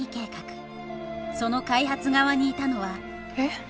その開発側にいたのはえ？